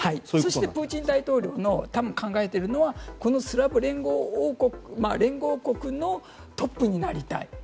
そして、プーチン大統領が考えているのはこのスラブ連合国のトップになりたい。